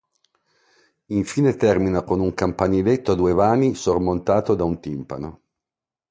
Infine termina con un campaniletto a due vani sormontato da un timpano.